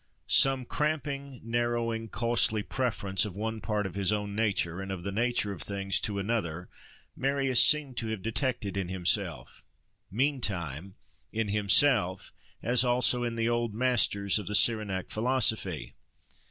Some cramping, narrowing, costly preference of one part of his own nature, and of the nature of things, to another, Marius seemed to have detected in himself, meantime,—in himself, as also in those old masters of the Cyrenaic philosophy.